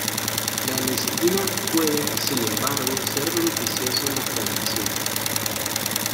La lecitina puede, sin embargo, ser beneficiosa en la prevención.